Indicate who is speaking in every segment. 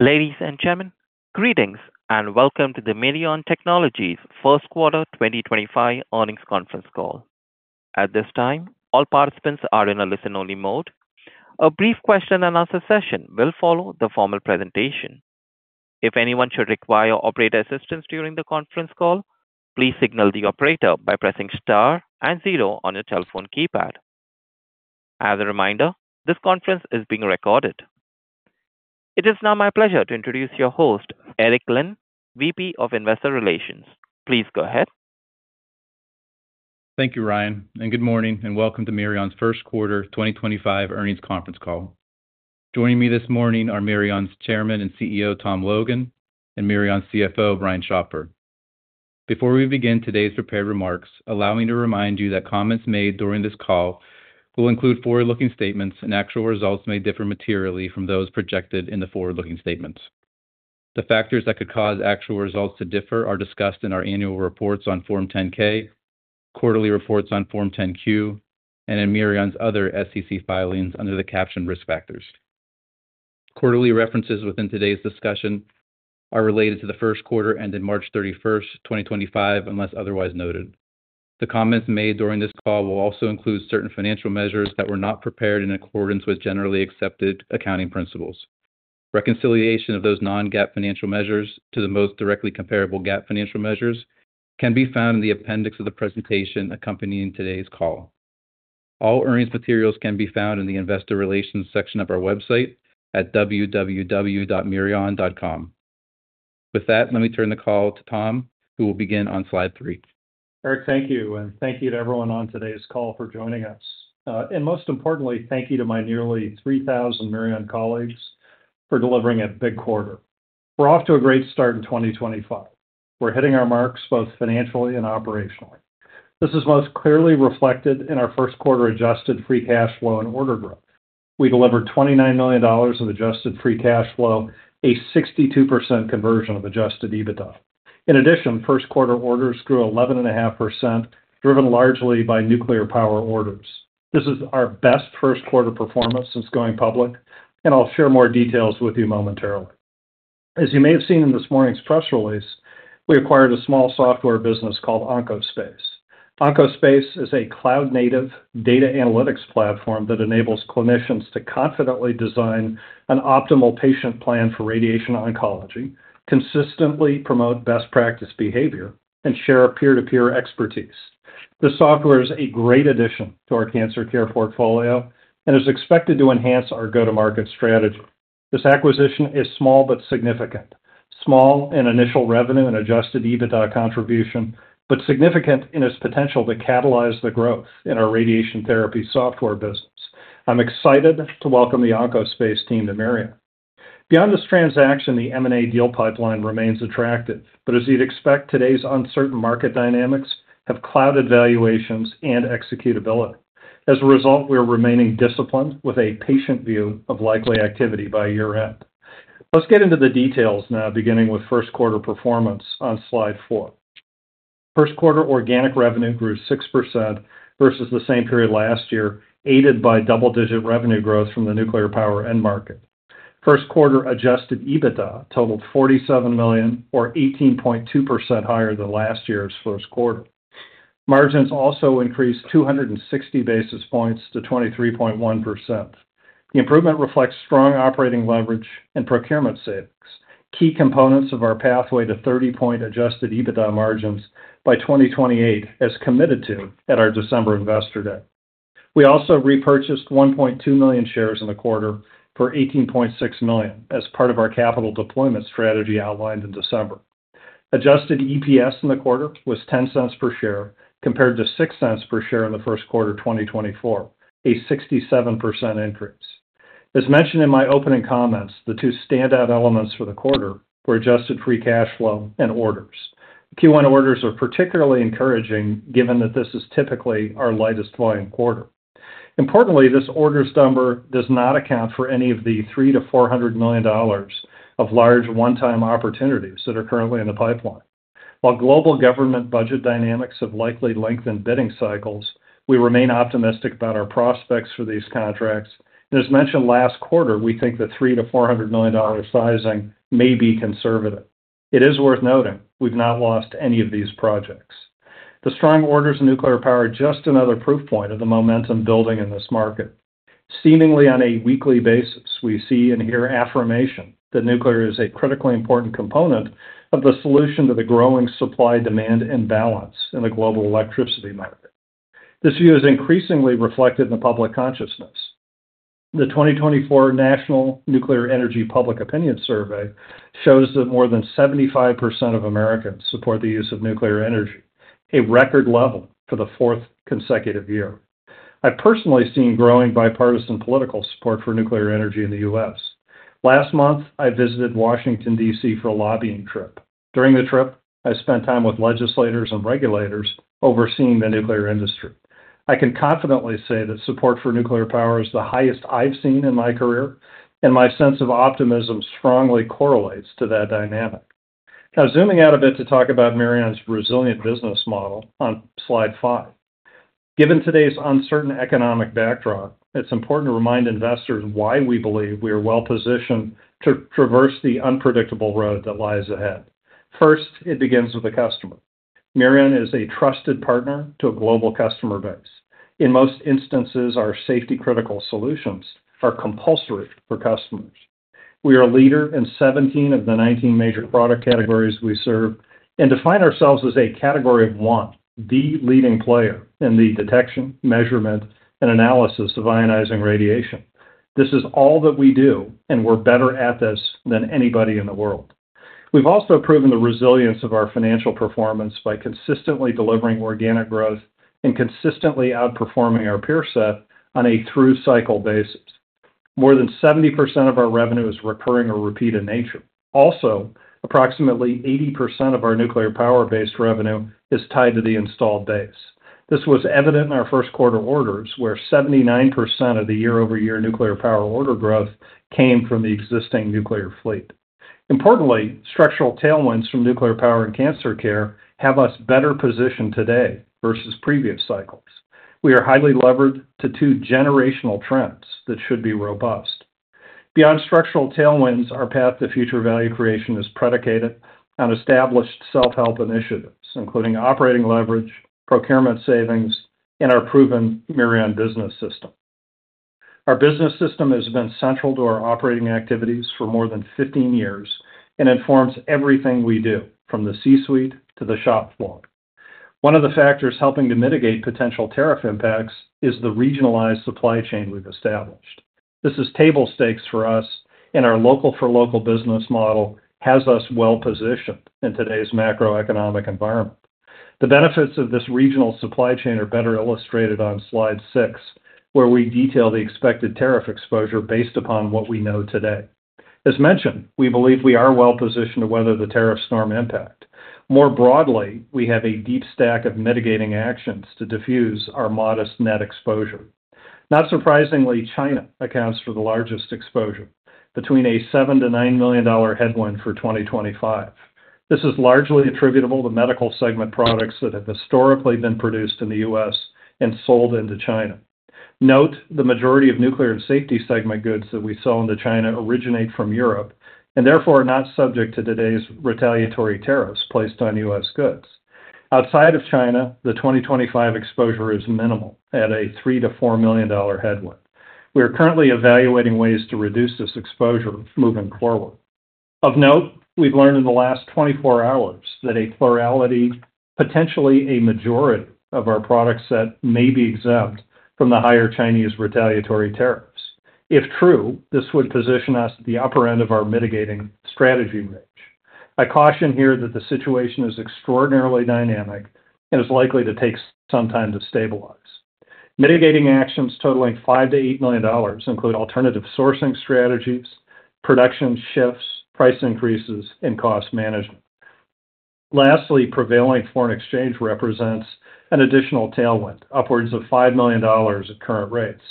Speaker 1: Ladies and gentlemen, greetings and welcome to the Mirion Technologies First Quarter 2025 Earnings Conference Call. At this time, all participants are in a listen-only mode. A brief question-and-answer session will follow the formal presentation. If anyone should require operator assistance during the conference call, please signal the operator by pressing star and zero on your telephone keypad. As a reminder, this conference is being recorded. It is now my pleasure to introduce your host, Eric Linn, VP of Investor Relations. Please go ahead.
Speaker 2: Thank you, Ryan, and good morning and welcome to Mirion's First Quarter 2025 Earnings Conference Call. Joining me this morning are Mirion's Chairman and CEO, Tom Logan, and Mirion's CFO, Brian Schopfer. Before we begin today's prepared remarks, allow me to remind you that comments made during this call will include forward-looking statements, and actual results may differ materially from those projected in the forward-looking statements. The factors that could cause actual results to differ are discussed in our annual reports on Form 10-K, quarterly reports on Form 10-Q, and in Mirion's other SEC filings under the captioned risk factors. Quarterly references within today's discussion are related to the first quarter ended March 31st, 2025, unless otherwise noted. The comments made during this call will also include certain financial measures that were not prepared in accordance with generally accepted accounting principles. Reconciliation of those Non-GAAP financial measures to the most directly comparable GAAP financial measures can be found in the appendix of the presentation accompanying today's call. All earnings materials can be found in the Investor Relations section of our website at www.mirion.com. With that, let me turn the call to Tom, who will begin on slide three.
Speaker 3: Eric, thank you, and thank you to everyone on today's call for joining us. Most importantly, thank you to my nearly 3,000 Mirion colleagues for delivering a big quarter. We are off to a great start in 2025. We are hitting our marks both financially and operationally. This is most clearly reflected in our first quarter adjusted free cash flow and order growth. We delivered $29 million of adjusted free cash flow, a 62% conversion of adjusted EBITDA. In addition, first quarter orders grew 11.5%, driven largely by nuclear power orders. This is our best first quarter performance since going public, and I will share more details with you momentarily. As you may have seen in this morning's press release, we acquired a small software business called Oncospace. Oncospace is a cloud-native data analytics platform that enables clinicians to confidently design an optimal patient plan for radiation oncology, consistently promote best practice behavior, and share peer-to-peer expertise. This software is a great addition to our cancer care portfolio and is expected to enhance our go-to-market strategy. This acquisition is small but significant. Small in initial revenue and adjusted EBITDA contribution, but significant in its potential to catalyze the growth in our radiation therapy software business. I'm excited to welcome the Oncospace team to Mirion. Beyond this transaction, the M&A deal pipeline remains attractive, but as you'd expect, today's uncertain market dynamics have clouded valuations and executability. As a result, we are remaining disciplined with a patient view of likely activity by year-end. Let's get into the details now, beginning with first quarter performance on slide four. First quarter organic revenue grew 6% versus the same period last year, aided by double-digit revenue growth from the nuclear power end market. First quarter adjusted EBITDA totaled $47 million, or 18.2% higher than last year's first quarter. Margins also increased 260 basis points to 23.1%. The improvement reflects strong operating leverage and procurement savings, key components of our pathway to 30-point adjusted EBITDA margins by 2028, as committed to at our December investor day. We also repurchased 1.2 million shares in the quarter for $18.6 million as part of our capital deployment strategy outlined in December. Adjusted EPS in the quarter was $0.10 per share compared to $0.06 per share in the first quarter of 2024, a 67% increase. As mentioned in my opening comments, the two standout elements for the quarter were adjusted free cash flow and orders. Q1 orders are particularly encouraging given that this is typically our lightest volume quarter. Importantly, this orders number does not account for any of the $300 million-$400 million of large one-time opportunities that are currently in the pipeline. While global government budget dynamics have likely lengthened bidding cycles, we remain optimistic about our prospects for these contracts. As mentioned last quarter, we think the $300 million-$400 million sizing may be conservative. It is worth noting we have not lost any of these projects. The strong orders in nuclear power are just another proof point of the momentum building in this market. Seemingly on a weekly basis, we see and hear affirmation that nuclear is a critically important component of the solution to the growing supply-demand imbalance in the global electricity market. This view is increasingly reflected in the public consciousness. The 2024 National Nuclear Energy Public Opinion Survey shows that more than 75% of Americans support the use of nuclear energy, a record level for the fourth consecutive year. I've personally seen growing bipartisan political support for nuclear energy in the U.S. Last month, I visited Washington, D.C. for a lobbying trip. During the trip, I spent time with legislators and regulators overseeing the nuclear industry. I can confidently say that support for nuclear power is the highest I've seen in my career, and my sense of optimism strongly correlates to that dynamic. Now, zooming out a bit to talk about Mirion's resilient business model on slide five. Given today's uncertain economic backdrop, it's important to remind investors why we believe we are well-positioned to traverse the unpredictable road that lies ahead. First, it begins with the customer. Mirion is a trusted partner to a global customer base. In most instances, our safety-critical solutions are compulsory for customers. We are a leader in 17 of the 19 major product categories we serve and define ourselves as a category of one, the leading player in the detection, measurement, and analysis of ionizing radiation. This is all that we do, and we're better at this than anybody in the world. We've also proven the resilience of our financial performance by consistently delivering organic growth and consistently outperforming our peer set on a through-cycle basis. More than 70% of our revenue is recurring or repeat in nature. Also, approximately 80% of our nuclear power-based revenue is tied to the installed base. This was evident in our first quarter orders, where 79% of the year-over-year nuclear power order growth came from the existing nuclear fleet. Importantly, structural tailwinds from nuclear power and cancer care have us better positioned today versus previous cycles. We are highly levered to two generational trends that should be robust. Beyond structural tailwinds, our path to future value creation is predicated on established self-help initiatives, including operating leverage, procurement savings, and our proven Mirion Business System. Our business system has been central to our operating activities for more than 15 years and informs everything we do, from the C-suite to the shop floor. One of the factors helping to mitigate potential tariff impacts is the regionalized supply chain we've established. This is table stakes for us, and our local-for-local business model has us well-positioned in today's macroeconomic environment. The benefits of this regional supply chain are better illustrated on slide six, where we detail the expected tariff exposure based upon what we know today. As mentioned, we believe we are well-positioned to weather the tariff storm impact. More broadly, we have a deep stack of mitigating actions to diffuse our modest net exposure. Not surprisingly, China accounts for the largest exposure, between a $7million-$9 million headwind for 2025. This is largely attributable to medical segment products that have historically been produced in the U.S. and sold into China. Note, the majority of nuclear and safety segment goods that we sell into China originate from Europe and therefore are not subject to today's retaliatory tariffs placed on U.S. goods. Outside of China, the 2025 exposure is minimal at a $3 million-$4 million headwind. We are currently evaluating ways to reduce this exposure moving forward. Of note, we've learned in the last 24 hours that a plurality, potentially a majority of our product set may be exempt from the higher Chinese retaliatory tariffs. If true, this would position us at the upper end of our mitigating strategy range. I caution here that the situation is extraordinarily dynamic and is likely to take some time to stabilize. Mitigating actions totaling $5 million-$8 million include alternative sourcing strategies, production shifts, price increases, and cost management. Lastly, prevailing foreign exchange represents an additional tailwind, upwards of $5 million at current rates,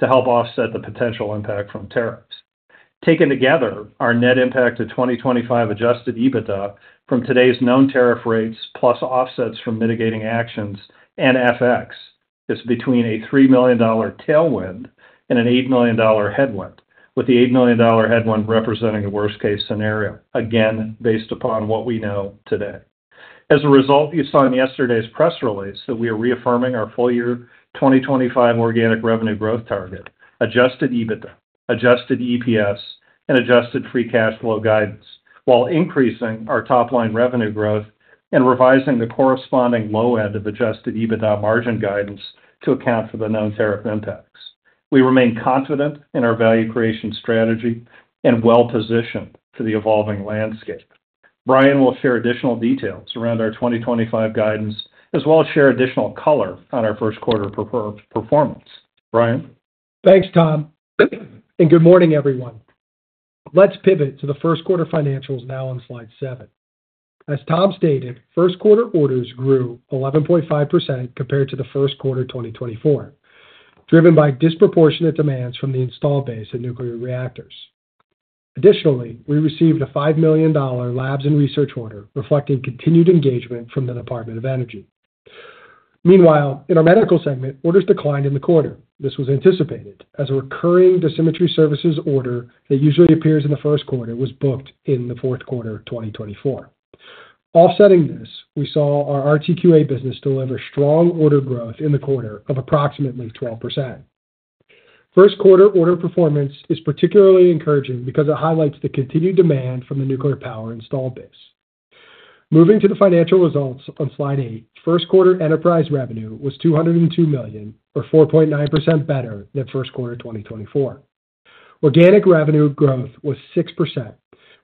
Speaker 3: to help offset the potential impact from tariffs. Taken together, our net impact to 2025 adjusted EBITDA from today's known tariff rates plus offsets from mitigating actions and FX is between a $3 million tailwind and an $8 million headwind, with the $8 million headwind representing the worst-case scenario, again, based upon what we know today. As a result, you saw in yesterday's press release that we are reaffirming our full-year 2025 organic revenue growth target, adjusted EBITDA, adjusted EPS, and adjusted free cash flow guidance, while increasing our top-line revenue growth and revising the corresponding low-end of adjusted EBITDA margin guidance to account for the known tariff impacts. We remain confident in our value creation strategy and well-positioned to the evolving landscape. Brian will share additional details around our 2025 guidance, as well as share additional color on our first quarter performance. Brian?
Speaker 4: Thanks, Tom. Good morning, everyone. Let's pivot to the first quarter financials now on slide seven. As Tom stated, first quarter orders grew 11.5% compared to the first quarter 2024, driven by disproportionate demands from the installed base at nuclear reactors. Additionally, we received a $5 million labs and research order reflecting continued engagement from the Department of Energy. Meanwhile, in our medical segment, orders declined in the quarter. This was anticipated as a recurring dosimetry services order that usually appears in the first quarter was booked in the fourth quarter of 2024. Offsetting this, we saw our RTQA business deliver strong order growth in the quarter of approximately 12%. First quarter order performance is particularly encouraging because it highlights the continued demand from the nuclear power installed base. Moving to the financial results on slide eight, first quarter enterprise revenue was $202 million, or 4.9% better than first quarter 2024. Organic revenue growth was 6%,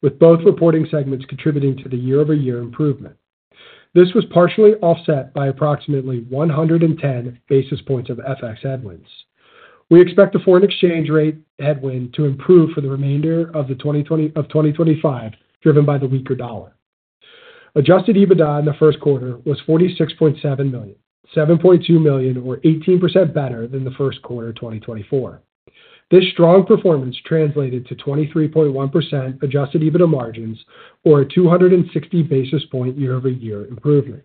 Speaker 4: with both reporting segments contributing to the year-over-year improvement. This was partially offset by approximately 110 basis points of FX Headwinds. We expect the foreign exchange rate headwind to improve for the remainder of 2025, driven by the weaker dollar. Adjusted EBITDA in the first quarter was $46.7 million, $7.2 million, or 18% better than the first quarter 2024. This strong performance translated to 23.1% adjusted EBITDA margins, or a 260 basis point year-over-year improvement.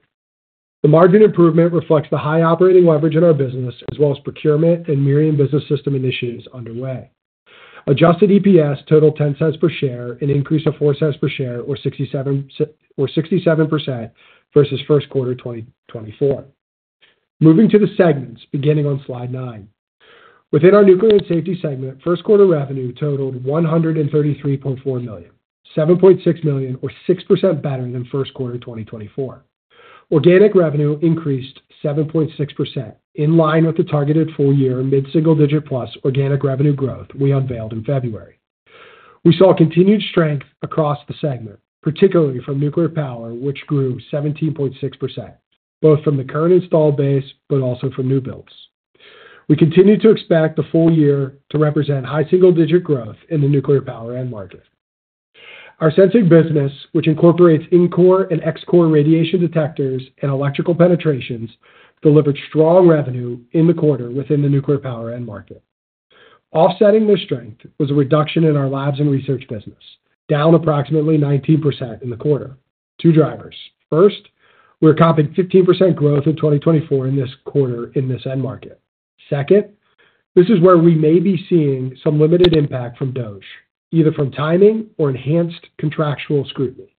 Speaker 4: The margin improvement reflects the high operating leverage in our business, as well as procurement and Mirion Business System initiatives underway. Adjusted EPS totaled $0.10 per share, an increase of $0.04 per share, or 67% versus first quarter 2024. Moving to the segments, beginning on slide nine. Within our nuclear and safety segment, first quarter revenue totaled $133.4 million, $7.6 million, or 6% better than first quarter 2024. Organic revenue increased 7.6%, in line with the targeted full-year mid-single-digit plus organic revenue growth we unveiled in February. We saw continued strength across the segment, particularly from nuclear power, which grew 17.6%, both from the current installed base but also from new builds. We continue to expect the full year to represent high single-digit growth in the nuclear power end market. Our sensing business, which incorporates in-core and ex-core radiation detectors and electrical penetrations, delivered strong revenue in the quarter within the nuclear power end market. Offsetting this strength was a reduction in our labs and research business, down approximately 19% in the quarter. Two drivers. First, we're capping 15% growth in 2024 in this quarter in this end market. Second, this is where we may be seeing some limited impact from DOGE, either from timing or enhanced contractual scrutiny.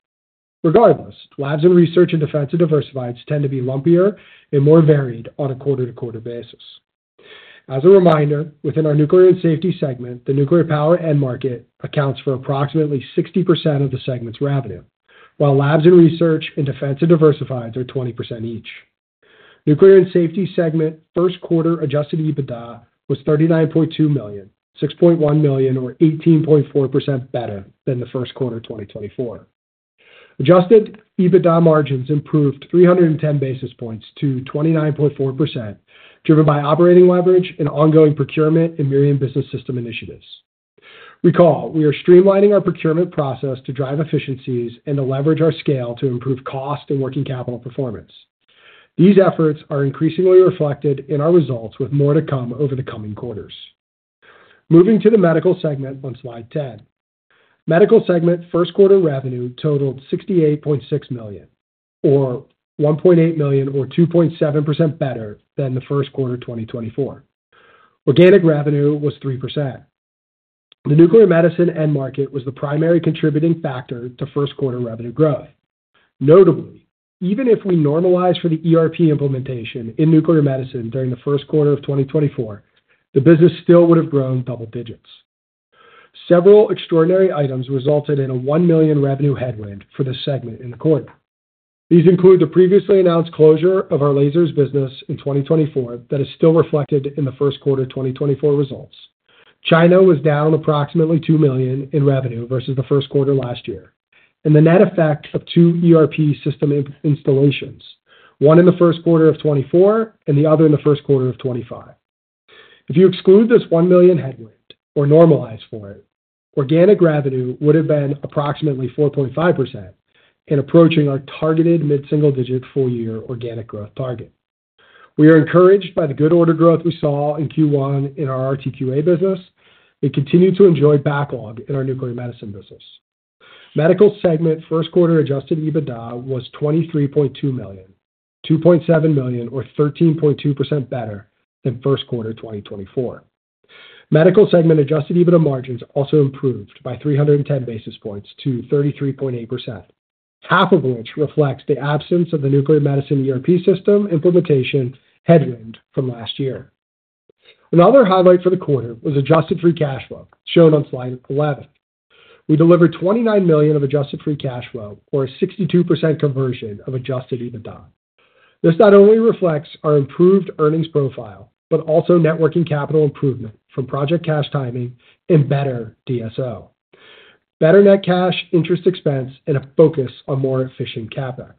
Speaker 4: Regardless, labs and research and defensive diversifieds tend to be lumpier and more varied on a quarter-to-quarter basis. As a reminder, within our nuclear and safety segment, the nuclear power end market accounts for approximately 60% of the segment's revenue, while labs and research and defensive diversifieds are 20% each. Nuclear and safety segment first quarter adjusted EBITDA was $39.2 million, $6.1 million, or 18.4% better than the first quarter 2024. Adjusted EBITDA margins improved 310 basis points to 29.4%, driven by operating leverage and ongoing procurement and Mirion Business System initiatives. Recall, we are streamlining our procurement process to drive efficiencies and to leverage our scale to improve cost and working capital performance. These efforts are increasingly reflected in our results, with more to come over the coming quarters. Moving to the medical segment on slide 10. Medical segment first quarter revenue totaled $68.6 million, or $1.8 million, or 2.7% better than the first quarter 2024. Organic revenue was 3%. The nuclear medicine end market was the primary contributing factor to first quarter revenue growth. Notably, even if we normalize for the ERP implementation in nuclear medicine during the first quarter of 2024, the business still would have grown double digits. Several extraordinary items resulted in a $1 million revenue headwind for the segment in the quarter. These include the previously announced closure of our lasers business in 2024 that is still reflected in the first quarter 2024 results. China was down approximately $2 million in revenue versus the first quarter last year, and the net effect of two ERP system installations, one in the first quarter of 2024 and the other in the first quarter of 2025. If you exclude this $1 million headwind or normalize for it, organic revenue would have been approximately 4.5% and approaching our targeted mid-single-digit full-year organic growth target. We are encouraged by the good order growth we saw in Q1 in our RTQA business. We continue to enjoy backlog in our nuclear medicine business. Medical segment first quarter adjusted EBITDA was $23.2 million, $2.7 million, or 13.2% better than first quarter 2024. Medical segment adjusted EBITDA margins also improved by 310 basis points to 33.8%, half of which reflects the absence of the nuclear medicine ERP system implementation headwind from last year. Another highlight for the quarter was adjusted free cash flow, shown on slide 11. We delivered $29 million of adjusted free cash flow, or a 62% conversion of adjusted EBITDA. This not only reflects our improved earnings profile, but also networking capital improvement from project cash timing and better DSO, better net cash interest expense, and a focus on more efficient CapEx.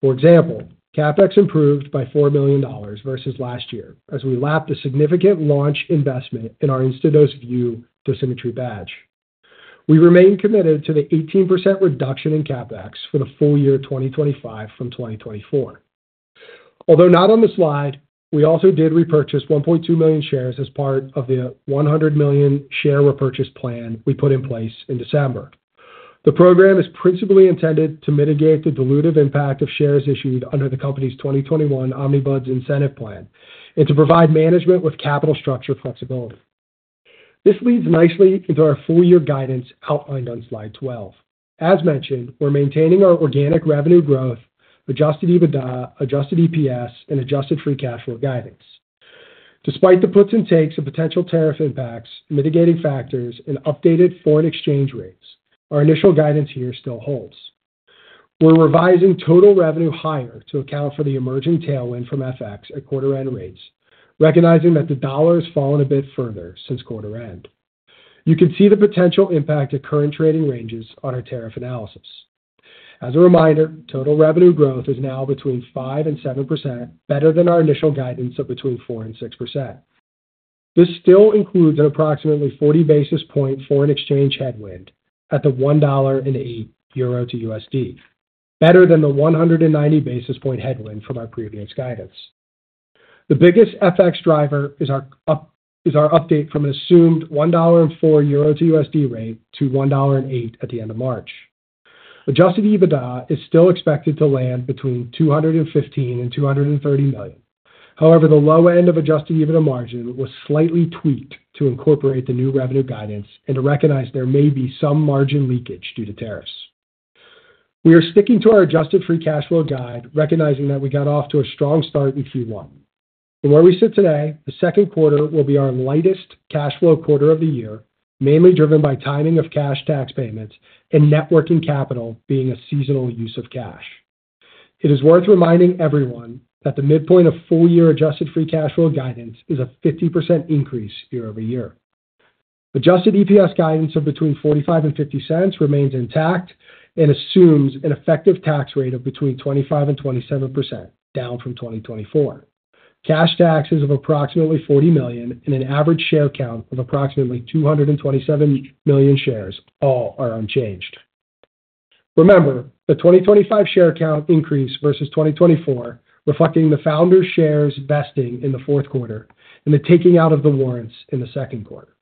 Speaker 4: For example, CapEx improved by $4 million versus last year as we lapped a significant launch investment in our InstadoseVUE dosimetry badge. We remain committed to the 18% reduction in CapEx for the full year 2025 from 2024. Although not on the slide, we also did repurchase 1.2 million shares as part of the $100 million share repurchase plan we put in place in December. The program is principally intended to mitigate the dilutive impact of shares issued under the company's 2021 Omnibus incentive plan and to provide management with capital structure flexibility. This leads nicely into our full-year guidance outlined on slide 12. As mentioned, we're maintaining our organic revenue growth, adjusted EBITDA, adjusted EPS, and adjusted free cash flow guidance. Despite the puts and takes of potential tariff impacts, mitigating factors, and updated foreign exchange rates, our initial guidance here still holds. We're revising total revenue higher to account for the emerging tailwind from FX at quarter-end rates, recognizing that the dollar has fallen a bit further since quarter-end. You can see the potential impact of current trading ranges on our tariff analysis. As a reminder, total revenue growth is now between 5% and 7%, better than our initial guidance of between 4% and 6%. This still includes an approximately 40 basis point foreign exchange headwind at the $1.08 EUR/USD, better than the 190 basis point headwind from our previous guidance. The biggest FX driver is our update from an assumed $1.04 EUR/USD rate to $1.08 at the end of March. Adjusted EBITDA is still expected to land between $215 million and $230 million. However, the low end of adjusted EBITDA margin was slightly tweaked to incorporate the new revenue guidance and to recognize there may be some margin leakage due to tariffs. We are sticking to our adjusted free cash flow guide, recognizing that we got off to a strong start in Q1. From where we sit today, the second quarter will be our lightest cash flow quarter of the year, mainly driven by timing of cash tax payments and networking capital being a seasonal use of cash. It is worth reminding everyone that the midpoint of full-year adjusted free cash flow guidance is a 50% increase year-over-year. Adjusted EPS guidance of between $0.45 and $0.50 remains intact and assumes an effective tax rate of between 25% and 27%, down from 2024. Cash taxes of approximately $40 million and an average share count of approximately 227 million shares all are unchanged. Remember, the 2025 share count increase versus 2024 reflecting the founder's shares vesting in the fourth quarter and the taking out of the warrants in the second quarter.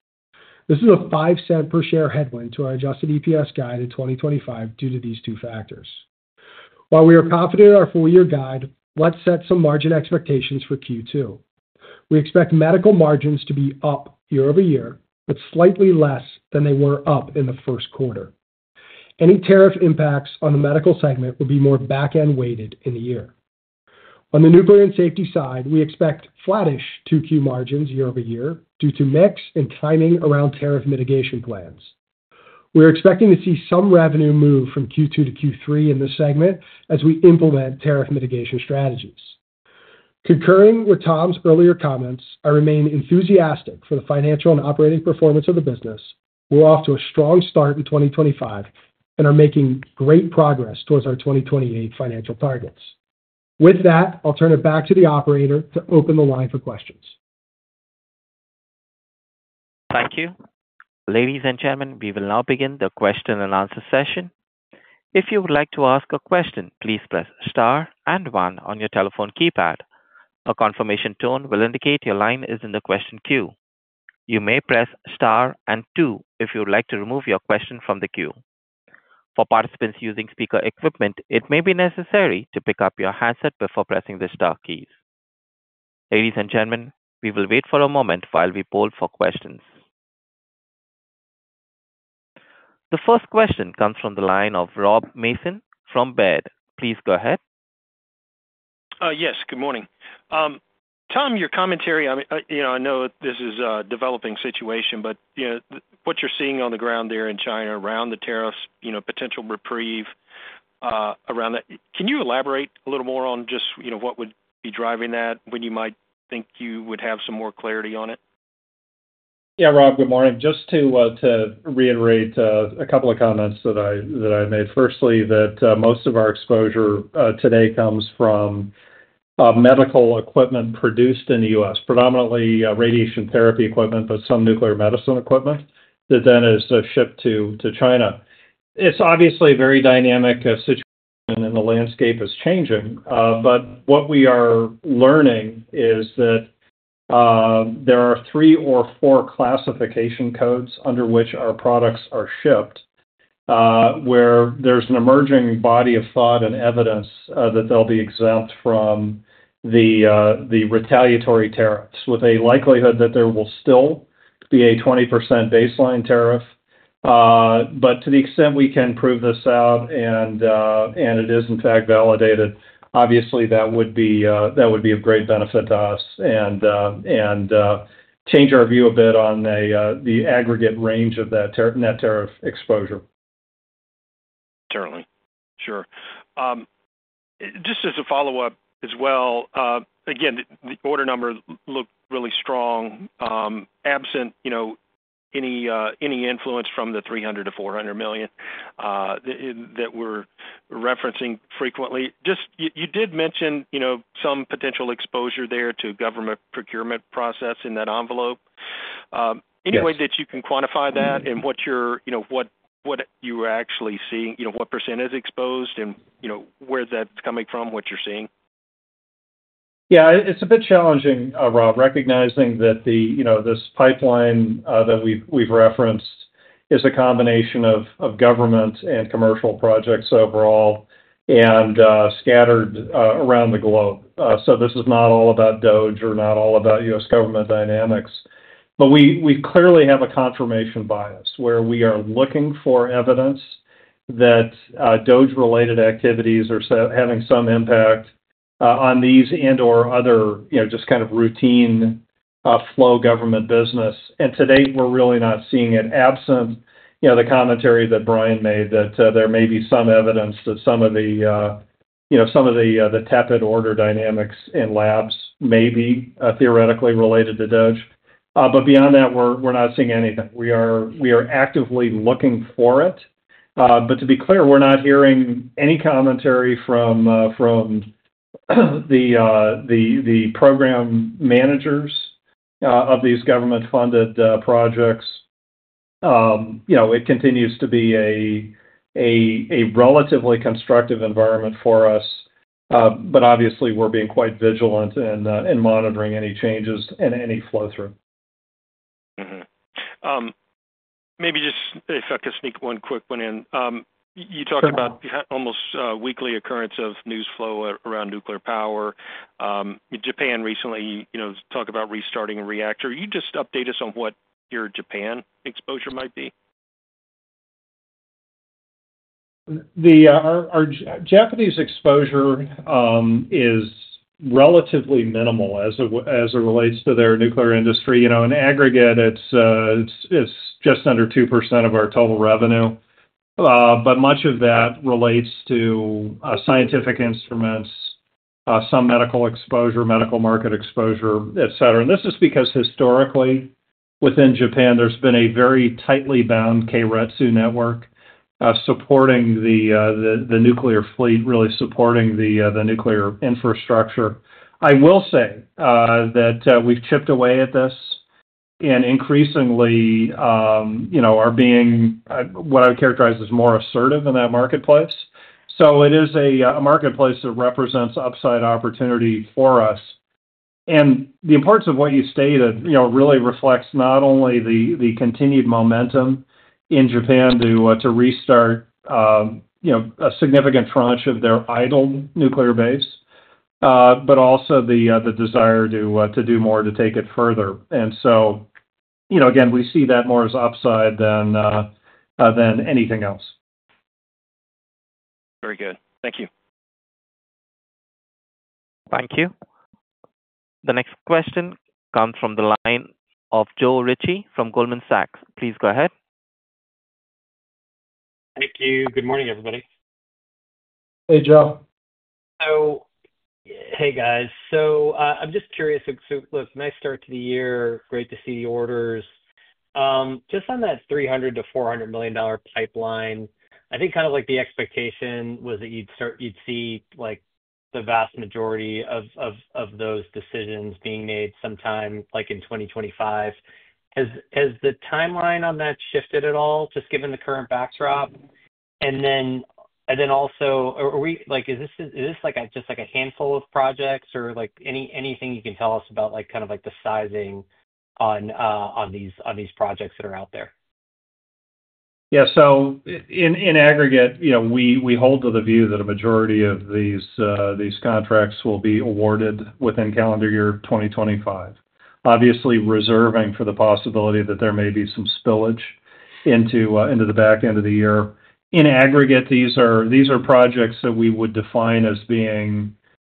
Speaker 4: This is a $0.05 per share headwind to our adjusted EPS guide in 2025 due to these two factors. While we are confident in our full-year guide, let's set some margin expectations for Q2. We expect medical margins to be up year-over-year, but slightly less than they were up in the first quarter. Any tariff impacts on the medical segment will be more back-end weighted in the year. On the nuclear and safety side, we expect flattish Q2 margins year-over-year due to mix and timing around tariff mitigation plans. We're expecting to see some revenue move from Q2 to Q3 in this segment as we implement tariff mitigation strategies. Concurring with Tom's earlier comments, I remain enthusiastic for the financial and operating performance of the business. We're off to a strong start in 2025 and are making great progress towards our 2028 financial targets. With that, I'll turn it back to the operator to open the line for questions.
Speaker 1: Thank you. Ladies and gentlemen, we will now begin the question and answer session. If you would like to ask a question, please press star and one on your telephone keypad. A confirmation tone will indicate your line is in the question queue. You may press star and two if you would like to remove your question from the queue. For participants using speaker equipment, it may be necessary to pick up your handset before pressing the star keys. Ladies and gentlemen, we will wait for a moment while we poll for questions. The first question comes from the line of Rob Mason from Baird. Please go ahead.
Speaker 5: Yes, good morning. Tom, your commentary, I know this is a developing situation, but what you're seeing on the ground there in China around the tariffs, potential reprieve around that, can you elaborate a little more on just what would be driving that when you might think you would have some more clarity on it?
Speaker 3: Yeah, Rob, good morning. Just to reiterate a couple of comments that I made. Firstly, that most of our exposure today comes from medical equipment produced in the U.S., predominantly radiation therapy equipment, but some nuclear medicine equipment that then is shipped to China. It's obviously a very dynamic situation, and the landscape is changing. What we are learning is that there are three or four classification codes under which our products are shipped, where there's an emerging body of thought and evidence that they'll be exempt from the retaliatory tariffs, with a likelihood that there will still be a 20% baseline tariff. To the extent we can prove this out and it is, in fact, validated, obviously that would be of great benefit to us and change our view a bit on the aggregate range of that net tariff exposure.
Speaker 6: Certainly. Sure. Just as a follow-up as well, again, the order number looked really strong. Absent any influence from the $300 million-$400 million that we're referencing frequently. You did mention some potential exposure there to government procurement process in that envelope. Any way that you can quantify that and what you're actually seeing, what percent is exposed and where that's coming from, what you're seeing?
Speaker 3: Yeah, it's a bit challenging, Rob, recognizing that this pipeline that we've referenced is a combination of government and commercial projects overall and scattered around the globe. This is not all about DOGE or not all about U.S. Government Dynamics. We clearly have a confirmation bias where we are looking for evidence that DOGE-related activities are having some impact on these and/or other just kind of routine flow government business. Today, we're really not seeing it. Absent the commentary that Brian made that there may be some evidence that some of the tepid order dynamics in labs may be theoretically related to DOGE. Beyond that, we're not seeing anything. We are actively looking for it. To be clear, we're not hearing any commentary from the program managers of these government-funded projects. It continues to be a relatively constructive environment for us. Obviously, we're being quite vigilant in monitoring any changes and any flow through.
Speaker 5: Maybe just if I could sneak one quick one in. You talked about almost weekly occurrence of news flow around nuclear power. Japan recently talked about restarting a reactor. You just update us on what your Japan exposure might be?
Speaker 3: Our Japanese exposure is relatively minimal as it relates to their nuclear industry. In aggregate, it's just under 2% of our total revenue. Much of that relates to scientific instruments, some medical exposure, medical market exposure, etc. This is because historically, within Japan, there's been a very tightly bound Keiretsu network supporting the nuclear fleet, really supporting the nuclear infrastructure. I will say that we've chipped away at this and increasingly are being what I would characterize as more assertive in that marketplace. It is a marketplace that represents upside opportunity for us. The importance of what you stated really reflects not only the continued momentum in Japan to restart a significant tranche of their idle nuclear base, but also the desire to do more to take it further. Again, we see that more as upside than anything else.
Speaker 5: Very good. Thank you.
Speaker 1: Thank you. The next question comes from the line of Joe Ritchie from Goldman Sachs. Please go ahead.
Speaker 7: Thank you. Good morning, everybody.
Speaker 3: Hey, Joe.
Speaker 7: Hey, guys. I'm just curious. Look, nice start to the year. Great to see the orders. Just on that $300 million-$400 million pipeline, I think kind of like the expectation was that you'd see the vast majority of those decisions being made sometime in 2025. Has the timeline on that shifted at all, just given the current backdrop? Also, is this just like a handful of projects or anything you can tell us about kind of the sizing on these projects that are out there?
Speaker 3: Yeah. In aggregate, we hold to the view that a majority of these contracts will be awarded within calendar year 2025, obviously reserving for the possibility that there may be some spillage into the back end of the year. In aggregate, these are projects that we would define as being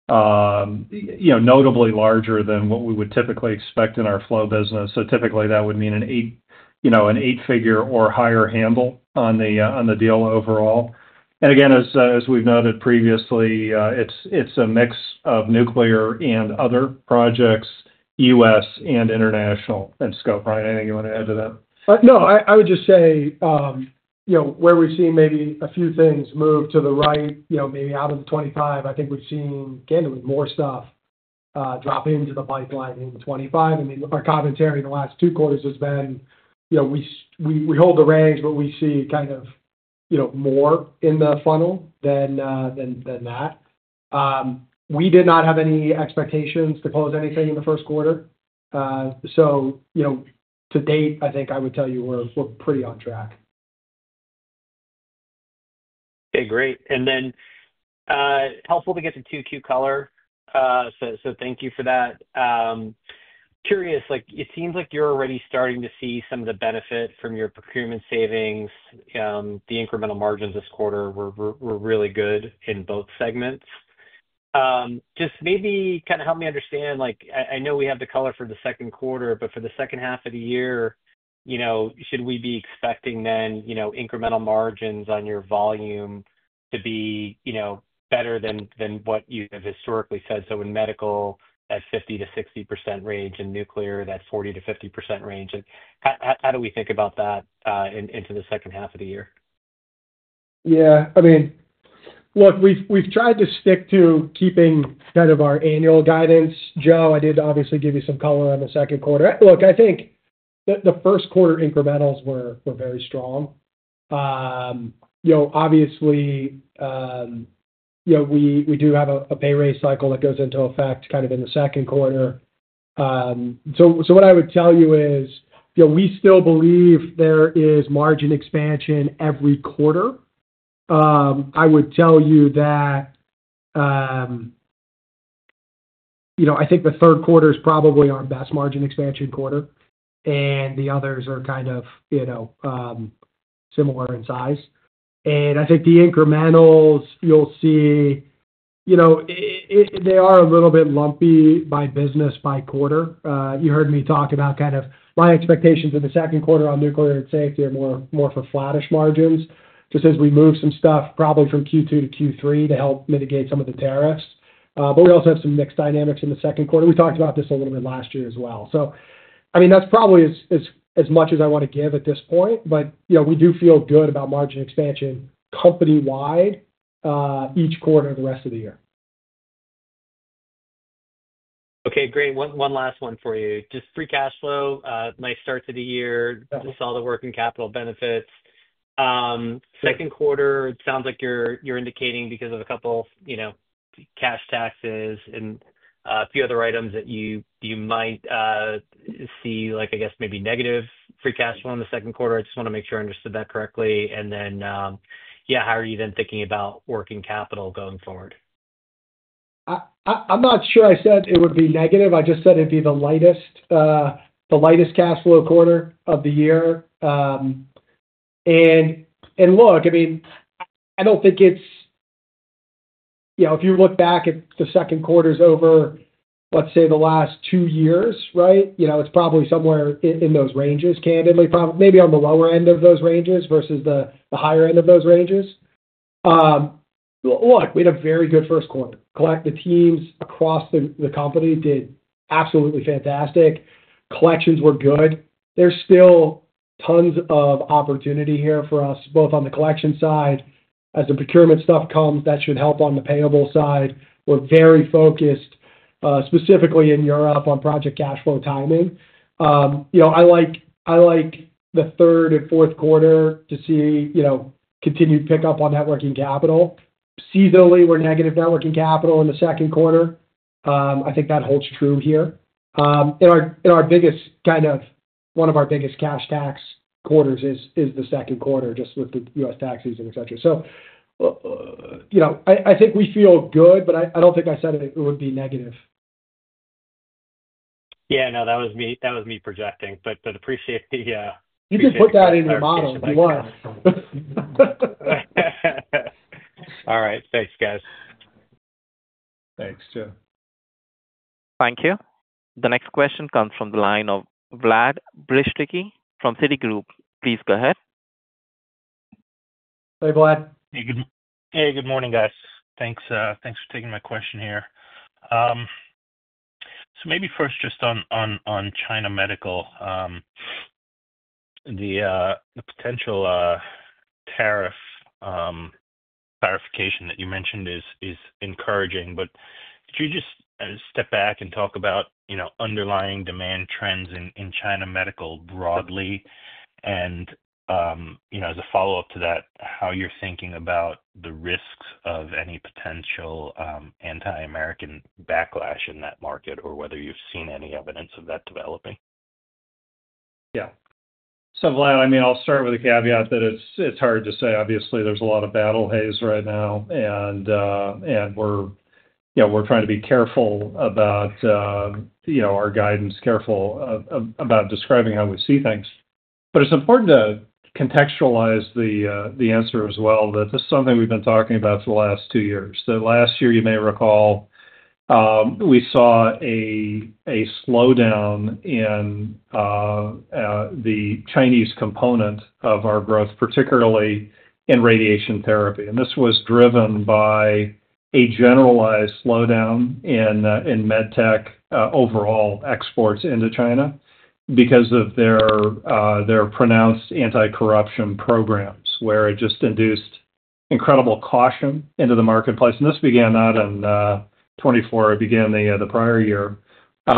Speaker 3: notably larger than what we would typically expect in our flow business. Typically, that would mean an eight-figure or higher handle on the deal overall. Again, as we've noted previously, it's a mix of nuclear and other projects, U.S. and international in scope. Brian, anything you want to add to that?
Speaker 4: No, I would just say where we've seen maybe a few things move to the right, maybe out of 2025, I think we've seen candidly more stuff drop into the pipeline in 2025. I mean, our commentary in the last two quarters has been we hold the range, but we see kind of more in the funnel than that. We did not have any expectations to close anything in the first quarter. To date, I think I would tell you we're pretty on track.
Speaker 7: Okay. Great. Helpful to get the Q2 color. Thank you for that. Curious, it seems like you're already starting to see some of the benefit from your procurement savings. The incremental margins this quarter were really good in both segments. Just maybe kind of help me understand. I know we have the color for the second quarter, but for the second half of the year, should we be expecting then incremental margins on your volume to be better than what you have historically said? In medical, that's 50%-60% range. In nuclear, that's 40%-50% range. How do we think about that into the second half of the year?
Speaker 3: Yeah. I mean, look, we've tried to stick to keeping kind of our annual guidance. Joe, I did obviously give you some color on the second quarter. Look, I think the first quarter incrementals were very strong. Obviously, we do have a pay rate cycle that goes into effect kind of in the second quarter. What I would tell you is we still believe there is margin expansion every quarter. I would tell you that I think the third quarter is probably our best margin expansion quarter, and the others are kind of similar in size. I think the incrementals you'll see, they are a little bit lumpy by business by quarter. You heard me talk about kind of my expectations in the second quarter on nuclear and safety are more for flattish margins, just as we move some stuff probably from Q2 to Q3 to help mitigate some of the tariffs. We also have some mixed dynamics in the second quarter. We talked about this a little bit last year as well. I mean, that's probably as much as I want to give at this point, but we do feel good about margin expansion company-wide each quarter of the rest of the year.
Speaker 7: Okay. Great. One last one for you. Just free cash flow, nice start to the year, just all the work and capital benefits. Second quarter, it sounds like you're indicating because of a couple of cash taxes and a few other items that you might see, I guess, maybe negative free cash flow in the second quarter. I just want to make sure I understood that correctly. Yeah, how are you then thinking about working capital going forward?
Speaker 3: I'm not sure I said it would be negative. I just said it'd be the lightest cash flow quarter of the year. I mean, I don't think it's if you look back at the second quarters over, let's say, the last two years, right, it's probably somewhere in those ranges, candidly, maybe on the lower end of those ranges versus the higher end of those ranges. I mean, we had a very good first quarter. The teams across the company did absolutely fantastic. Collections were good. There's still tons of opportunity here for us, both on the collection side. As the procurement stuff comes, that should help on the payable side. We're very focused specifically in Europe on project cash flow timing. I like the third and fourth quarter to see continued pickup on networking capital. Seasonally, we're negative networking capital in the second quarter. I think that holds true here. Our biggest, kind of one of our biggest cash tax quarters, is the second quarter, just with the U.S. taxes and etc. I think we feel good, but I do not think I said it would be negative.
Speaker 7: Yeah. No, that was me projecting, but appreciate the.
Speaker 3: You can put that in your model. You are.
Speaker 7: All right. Thanks, guys.
Speaker 3: Thanks, Joe.
Speaker 1: Thank you. The next question comes from the line of Vlad Bystricky from Citigroup. Please go ahead.
Speaker 3: Hey, Vlad.
Speaker 8: Hey, good morning, guys. Thanks for taking my question here. Maybe first, just on China medical, the potential tariff clarification that you mentioned is encouraging, but could you just step back and talk about underlying demand trends in China medical broadly? As a follow-up to that, how you're thinking about the risks of any potential anti-American backlash in that market or whether you've seen any evidence of that developing?
Speaker 3: Yeah. Vlad, I mean, I'll start with a caveat that it's hard to say. Obviously, there's a lot of battle haze right now, and we're trying to be careful about our guidance, careful about describing how we see things. It's important to contextualize the answer as well that this is something we've been talking about for the last two years. Last year, you may recall, we saw a slowdown in the Chinese component of our growth, particularly in radiation therapy. This was driven by a generalized slowdown in med tech overall exports into China because of their pronounced anti-corruption programs where it just induced incredible caution into the marketplace. This began not in 2024. It began the prior year. It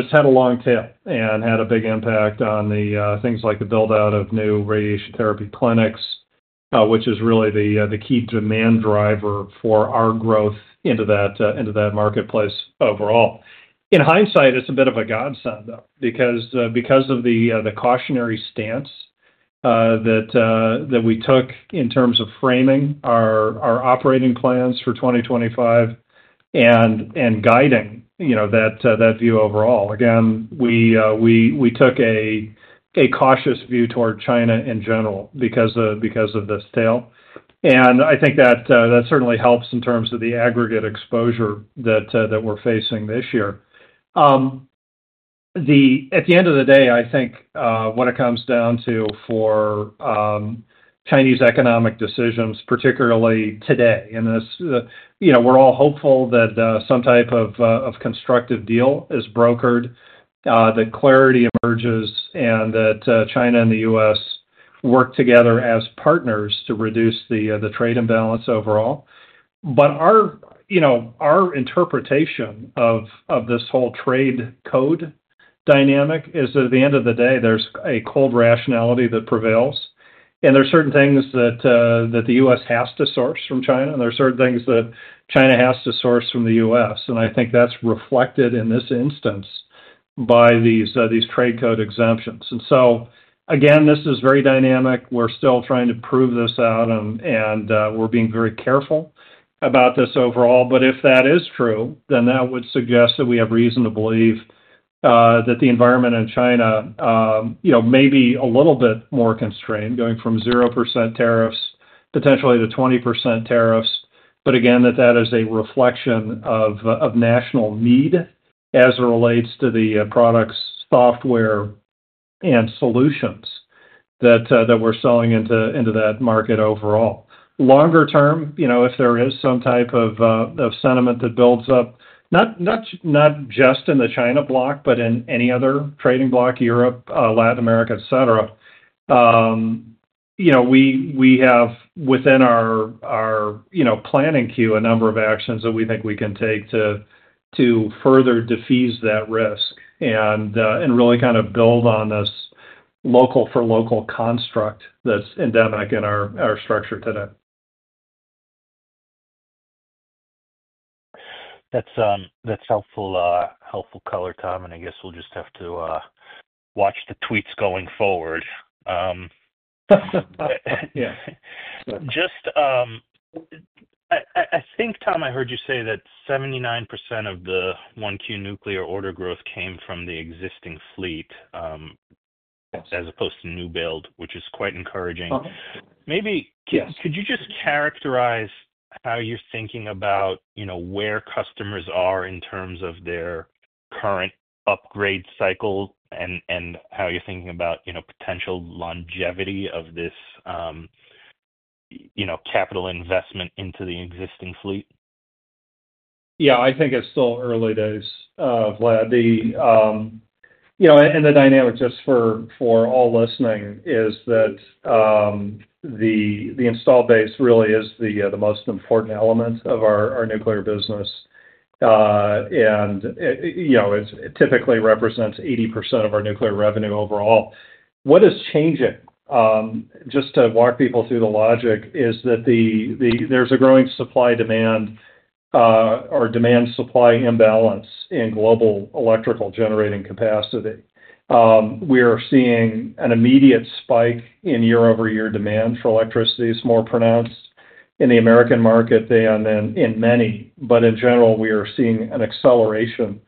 Speaker 3: has had a long tail and had a big impact on things like the build-out of new radiation therapy clinics, which is really the key demand driver for our growth into that marketplace overall. In hindsight, it is a bit of a godsend, though, because of the cautionary stance that we took in terms of framing our operating plans for 2025 and guiding that view overall. Again, we took a cautious view toward China in general because of this tail. I think that certainly helps in terms of the aggregate exposure that we are facing this year. At the end of the day, I think when it comes down to Chinese economic decisions, particularly today, we are all hopeful that some type of constructive deal is brokered, that clarity emerges, and that China and the U.S. work together as partners to reduce the trade imbalance overall. Our interpretation of this whole trade code dynamic is that at the end of the day, there is a cold rationality that prevails. There are certain things that the U.S. has to source from China, and there are certain things that China has to source from the U.S. I think that is reflected in this instance by these trade code exemptions. This is very dynamic. We are still trying to prove this out, and we are being very careful about this overall. If that is true, then that would suggest that we have reason to believe that the environment in China may be a little bit more constrained, going from 0% tariffs potentially to 20% tariffs. That is a reflection of national need as it relates to the products, software, and solutions that we are selling into that market overall. Longer term, if there is some type of sentiment that builds up, not just in the China bloc, but in any other trading bloc, Europe, Latin America, etc., we have within our planning queue a number of actions that we think we can take to further defuse that risk and really kind of build on this local-for-local construct that's endemic in our structure today.
Speaker 8: That's helpful color, Tom. I guess we'll just have to watch the tweets going forward. I think, Tom, I heard you say that 79% of the 1Q nuclear order growth came from the existing fleet as opposed to new build, which is quite encouraging. Maybe could you just characterize how you're thinking about where customers are in terms of their current upgrade cycle and how you're thinking about potential longevity of this capital investment into the existing fleet?
Speaker 3: Yeah. I think it's still early days, Vlad. The dynamic just for all listening is that the installed base really is the most important element of our nuclear business, and it typically represents 80% of our nuclear revenue overall. What is changing, just to walk people through the logic, is that there's a growing supply-demand or demand-supply imbalance in global electrical generating capacity. We are seeing an immediate spike in year-over-year demand for electricity. It's more pronounced in the American market than in many. In general, we are seeing an acceleration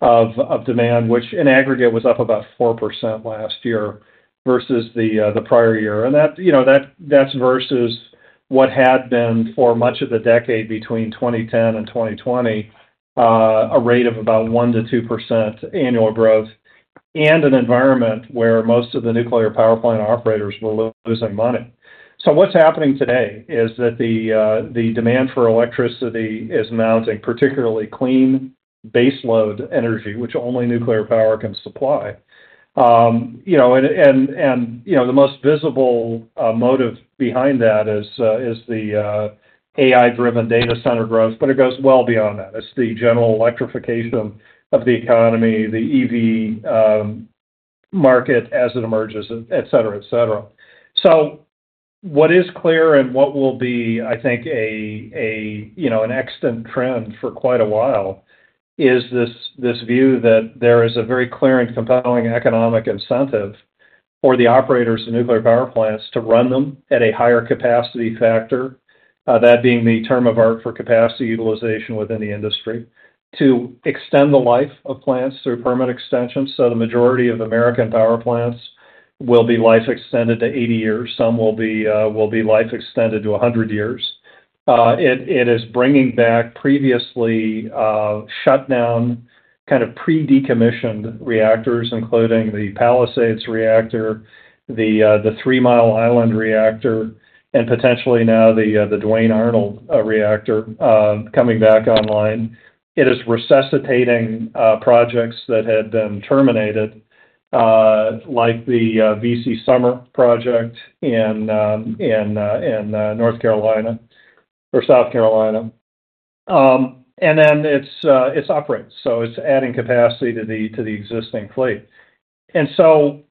Speaker 3: of demand, which in aggregate was up about 4% last year versus the prior year. That's versus what had been for much of the decade between 2010 and 2020, a rate of about 1%-2% annual growth and an environment where most of the nuclear power plant operators were losing money. What's happening today is that the demand for electricity is mounting, particularly clean baseload energy, which only nuclear power can supply. The most visible motive behind that is the AI-driven data center growth, but it goes well beyond that. It's the general electrification of the economy, the EV market as it emerges, etc., etc. What is clear and what will be, I think, an extant trend for quite a while is this view that there is a very clear and compelling economic incentive for the operators of nuclear power plants to run them at a higher capacity factor, that being the term of art for capacity utilization within the industry, to extend the life of plants through permit extension. The majority of American power plants will be life extended to 80 years. Some will be life extended to 100 years. It is bringing back previously shut down kind of pre-decommissioned reactors, including the Palisades Reactor, the Three Mile Island Reactor, and potentially now the Duane Arnold Reactor coming back online. It is resuscitating projects that had been terminated, like the VC Summer Project in South Carolina. It is upgrades. It is adding capacity to the existing fleet.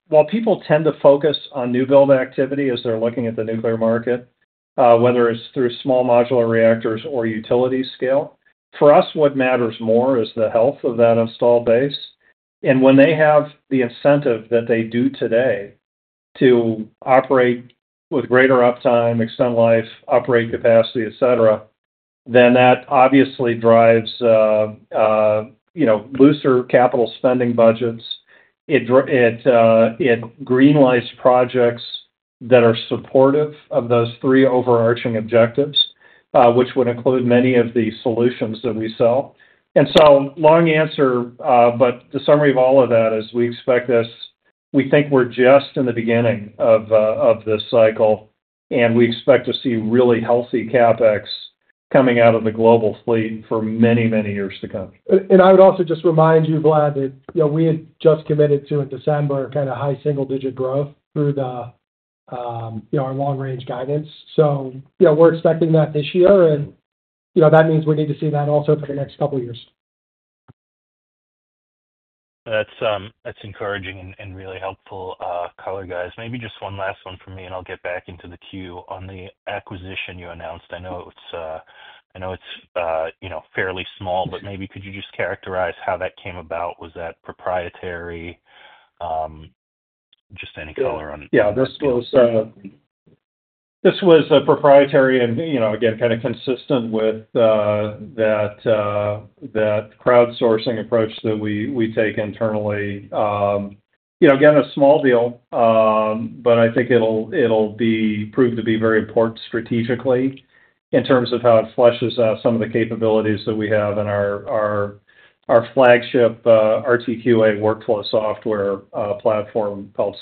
Speaker 3: While people tend to focus on new build activity as they are looking at the nuclear market, whether it is through small modular reactors or utility scale, for us, what matters more is the health of that installed base. When they have the incentive that they do today to operate with greater uptime, extend life, upgrade capacity, etc., that obviously drives looser capital spending budgets. It greenlights projects that are supportive of those three overarching objectives, which would include many of the solutions that we sell. Long answer, but the summary of all of that is we expect this; we think we're just in the beginning of this cycle, and we expect to see really healthy CapEx coming out of the global fleet for many, many years to come.
Speaker 4: I would also just remind you, Vlad, that we had just committed to in December kind of high single-digit growth through our long-range guidance. We are expecting that this year, and that means we need to see that also for the next couple of years.
Speaker 8: That's encouraging and really helpful, guys. Maybe just one last one for me, and I'll get back into the queue. On the acquisition you announced, I know it's fairly small, but maybe could you just characterize how that came about? Was that proprietary? Just any color on.
Speaker 3: Yeah. This was proprietary and, again, kind of consistent with that crowdsourcing approach that we take internally. Again, a small deal, but I think it'll prove to be very important strategically in terms of how it fleshes out some of the capabilities that we have in our flagship RTQA Workflow Software Platform called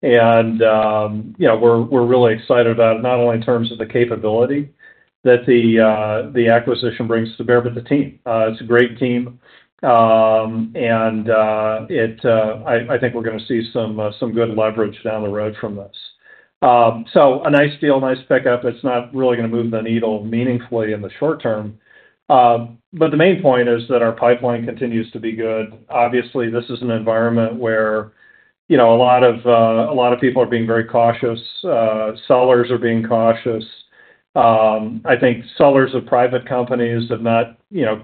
Speaker 3: SunCHECK. We are really excited about it, not only in terms of the capability that the acquisition brings to bear, but the team. It's a great team. I think we are going to see some good leverage down the road from this. A nice deal, nice pickup. It's not really going to move the needle meaningfully in the short term. The main point is that our pipeline continues to be good. Obviously, this is an environment where a lot of people are being very cautious. Sellers are being cautious. I think sellers of private companies have not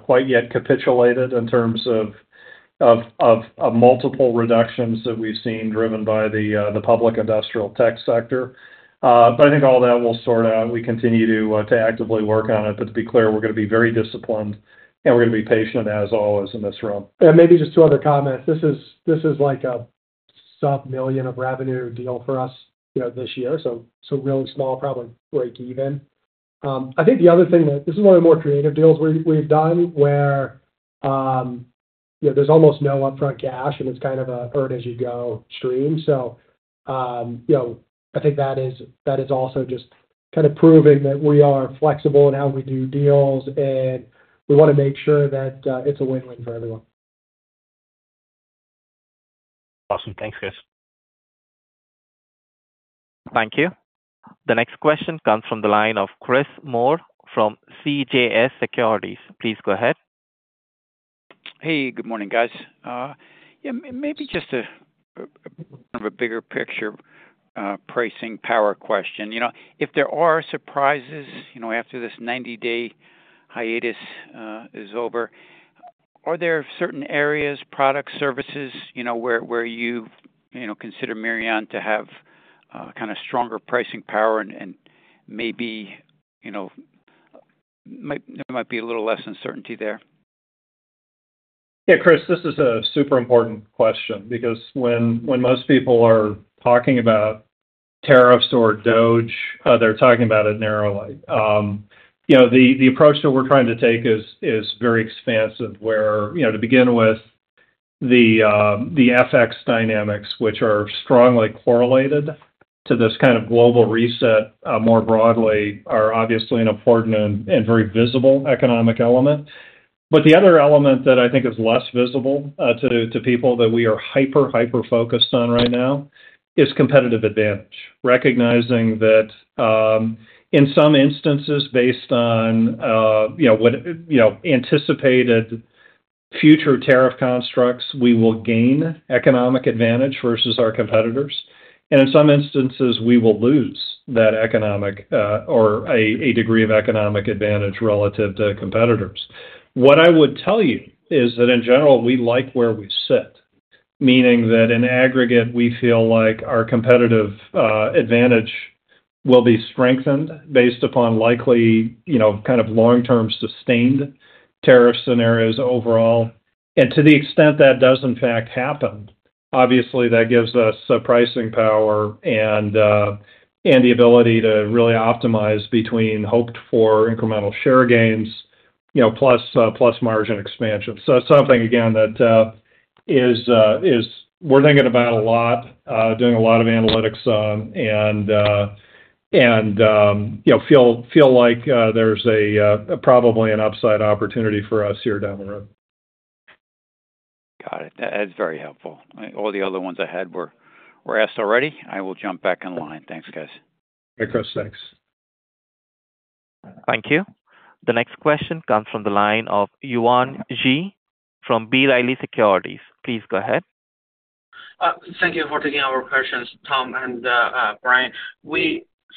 Speaker 3: quite yet capitulated in terms of multiple reductions that we've seen driven by the public industrial tech sector. I think all that will sort out. We continue to actively work on it. To be clear, we're going to be very disciplined, and we're going to be patient, as always, in this room.
Speaker 4: Maybe just two other comments. This is like a sub-million of revenue deal for us this year, so really small, probably break even. I think the other thing that this is one of the more creative deals we've done where there's almost no upfront cash, and it's kind of a earn-as-you-go stream. I think that is also just kind of proving that we are flexible in how we do deals, and we want to make sure that it's a win-win for everyone.
Speaker 8: Awesome. Thanks, guys.
Speaker 1: Thank you. The next question comes from the line of Chris Moore from CJS Securities. Please go ahead.
Speaker 9: Hey, good morning, guys. Yeah, maybe just a bigger picture pricing power question. If there are surprises after this 90-day hiatus is over, are there certain areas, products, services where you consider Mirion to have kind of stronger pricing power and maybe there might be a little less uncertainty there?
Speaker 3: Yeah, Chris, this is a super important question because when most people are talking about tariffs or DOGE, they're talking about it narrowly. The approach that we're trying to take is very expansive where, to begin with, the FX Dynamics, which are strongly correlated to this kind of global reset more broadly, are obviously an important and very visible economic element. The other element that I think is less visible to people that we are hyper-hyper focused on right now is competitive advantage, recognizing that in some instances, based on anticipated future tariff constructs, we will gain economic advantage versus our competitors. In some instances, we will lose that economic or a degree of economic advantage relative to competitors. What I would tell you is that in general, we like where we sit, meaning that in aggregate, we feel like our competitive advantage will be strengthened based upon likely kind of long-term sustained tariff scenarios overall. To the extent that does, in fact, happen, obviously, that gives us pricing power and the ability to really optimize between hoped-for incremental share gains plus margin expansion. It is something, again, that we're thinking about a lot, doing a lot of analytics on, and feel like there's probably an upside opportunity for us here down the road.
Speaker 9: Got it. That's very helpful. All the other ones I had were asked already. I will jump back in line. Thanks, guys.
Speaker 3: Okay, Chris. Thanks.
Speaker 1: Thank you. The next question comes from the line of Yuan J. from Citigroup. Please go ahead.
Speaker 10: Thank you for taking our questions, Tom and Brian.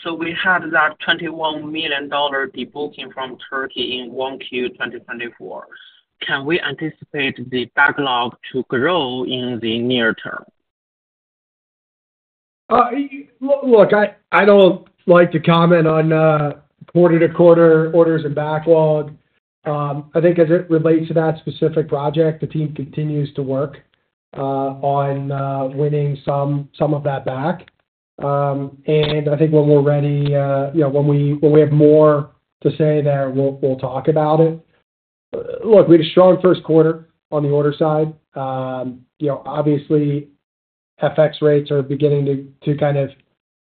Speaker 10: We had that $21 million debooking from Turkey in 1Q 2024. Can we anticipate the backlog to grow in the near term?
Speaker 3: Look, I don't like to comment on quarter-to-quarter orders and backlog. I think as it relates to that specific project, the team continues to work on winning some of that back. I think when we're ready, when we have more to say there, we'll talk about it. Look, we had a strong first quarter on the order side. Obviously, FX rates are beginning to kind of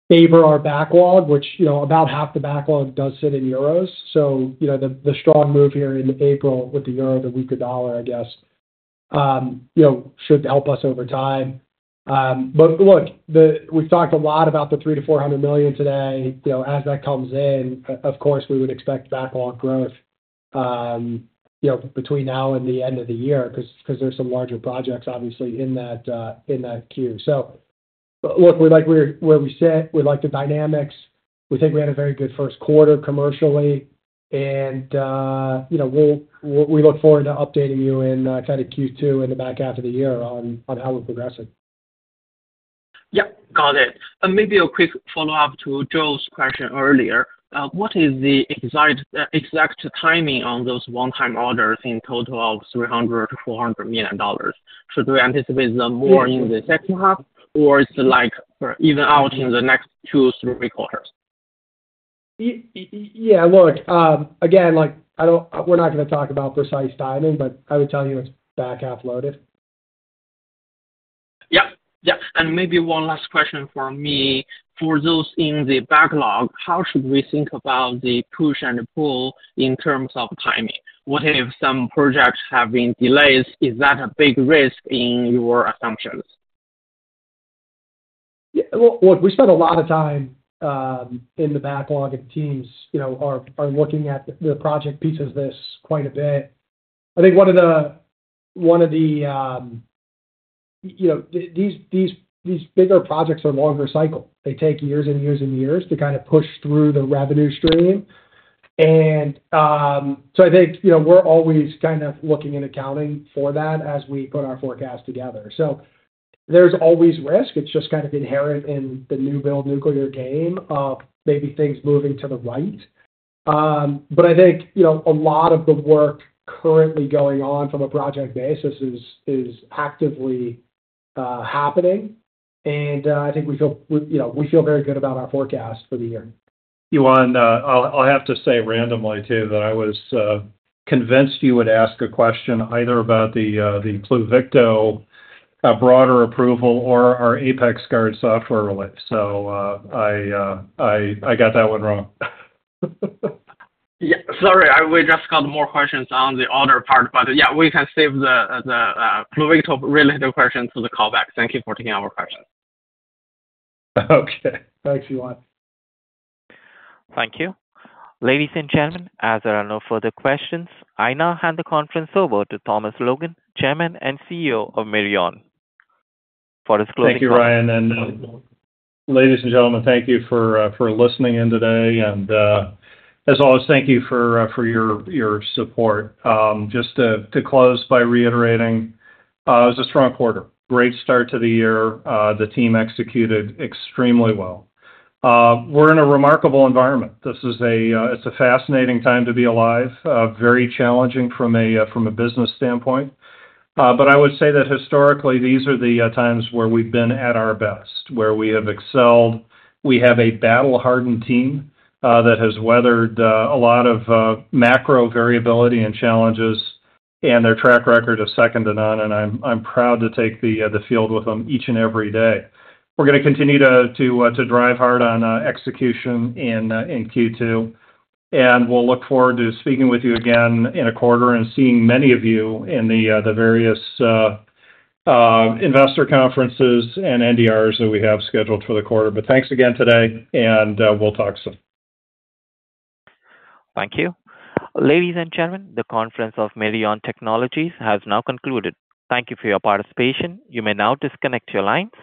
Speaker 3: favor our backlog, which about half the backlog does sit in euros. The strong move here in April with the euro to weaker dollar, I guess, should help us over time. Look, we've talked a lot about the $300 million-$400 million today. As that comes in, of course, we would expect backlog growth between now and the end of the year because there's some larger projects, obviously, in that queue. Look, we like where we sit.nWe like the dynamics. We think we had a very good first quarter commercially. We look forward to updating you in kind of Q2 and the back half of the year on how we're progressing.
Speaker 10: Yeah. Got it. Maybe a quick follow-up to Joe's question earlier. What is the exact timing on those one-time orders in total of $300 million-$400 million? Should we anticipate more in the second half, or is it even out in the next two, three quarters?
Speaker 3: Yeah. Look, again, we're not going to talk about precise timing, but I would tell you it's back half loaded.
Speaker 11: Yeah. Yeah. Maybe one last question for me. For those in the backlog, how should we think about the push and the pull in terms of timing? What if some projects have been delayed? Is that a big risk in your assumptions?
Speaker 3: Yeah. Look, we spent a lot of time in the backlog, and teams are looking at the project piece of this quite a bit. I think one of these bigger projects are longer cycle. They take years and years and years to kind of push through the revenue stream. I think we're always kind of looking and accounting for that as we put our forecast together. There's always risk. It's just kind of inherent in the new build nuclear game of maybe things moving to the right. I think a lot of the work currently going on from a project basis is actively happening. I think we feel very good about our forecast for the year. Yuan, I'll have to say randomly too that I was convinced you would ask a question either about the Pluvicto broader approval or our Apex-Guard software release. I got that one wrong.
Speaker 11: Yeah. Sorry. We just got more questions on the other part. Yeah, we can save the Pluvicto related question to the callback. Thank you for taking our questions.
Speaker 3: Okay. Thanks, Yuan.
Speaker 1: Thank you. Ladies and gentlemen, as there are no further questions, I now hand the conference over to Tom Logan, Chairman and CEO of Mirion, for his closing statement.
Speaker 3: Thank you, Ryan. Ladies and gentlemen, thank you for listening in today. As always, thank you for your support. Just to close by reiterating, it was a strong quarter. Great start to the year. The team executed extremely well. We're in a remarkable environment. It's a fascinating time to be alive, very challenging from a business standpoint. I would say that historically, these are the times where we've been at our best, where we have excelled. We have a battle-hardened team that has weathered a lot of macro variability and challenges, and their track record is second to none. I'm proud to take the field with them each and every day. We're going to continue to drive hard on execution in Q2. We look forward to speaking with you again in a quarter and seeing many of you in the various investor conferences and NDRs that we have scheduled for the quarter. Thanks again today, and we'll talk soon.
Speaker 1: Thank you. Ladies and gentlemen, the conference of Mirion Technologies has now concluded. Thank you for your participation. You may now disconnect your lines.